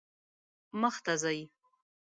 مخ ته ځئ